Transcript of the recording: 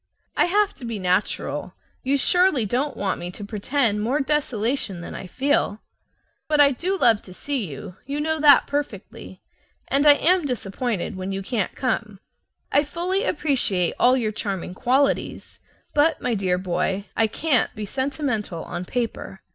I have to be natural. You surely don't want me to pretend more desolation than I feel. But I do love to see you, you know that perfectly, and I am disappointed when you can't come. I fully appreciate all your charming qualities, but, my dear boy, I CAN'T be sentimental on paper.